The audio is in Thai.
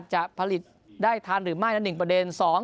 จะผลิตได้ทันหรือไม่ละ๑ประเด็น